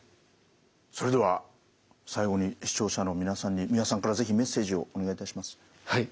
それでは最後に視聴者の皆さんに三輪さんから是非メッセージをお願いいたします。